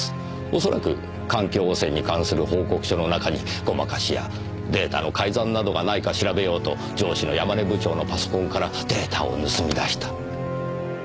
おそらく環境汚染に関する報告書の中にごまかしやデータの改ざんなどがないか調べようと上司の山根部長のパソコンからデータを盗み出した。